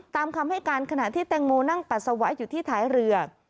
ตามคำให้การขณะที่แตงโมนั่งปัสสาวะอยู่ที่ท้ายเรือ